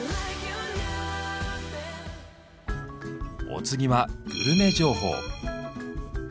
お次はグルメ情報。